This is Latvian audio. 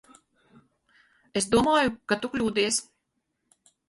Es domāju, ka tu kļūdies.